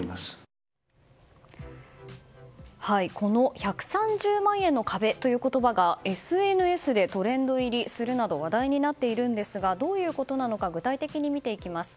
１３０万円の壁という言葉がＳＮＳでトレンド入りするなど話題になっているんですがどういうことなのか具体的に見ていきます。